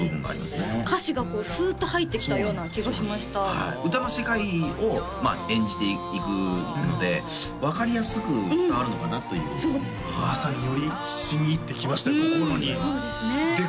確かに歌詞がこうスーッと入ってきたような気がしました歌の世界を演じていくので分かりやすく伝わるのかなというまさによりしみ入ってきました心にそうですねで